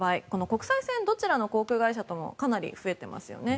国際線はどちらの航空会社ともかなり増えていますよね。